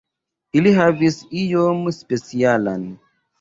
Ili havis ion specialan.